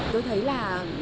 tôi thấy là